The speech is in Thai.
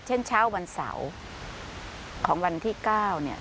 เช้าวันเสาร์ของวันที่๙เนี่ย